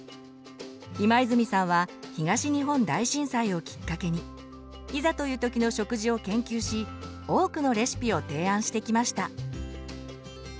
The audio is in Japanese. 今泉さんは東日本大震災をきっかけにいざという時の食事を研究し多くのレシピを提案してきました。